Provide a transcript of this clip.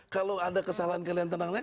kalau ada kesalahan kalian tenang naik